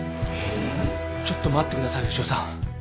ちょっと待ってください牛尾さん。